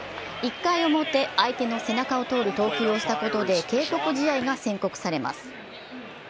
１回表、相手の背中を通る投球をしたことで警告試合が宣告されます。